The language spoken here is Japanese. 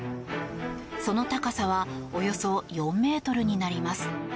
その高さはおよそ４ｍになります。